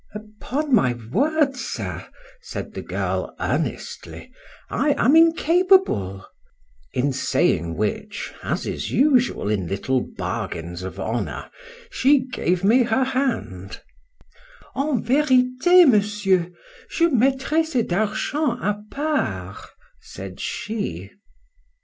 Upon my word, Sir, said the girl, earnestly, I am incapable;—in saying which, as is usual in little bargains of honour, she gave me her hand:—En vérité, Monsieur, je mettrai cet argent àpart, said she.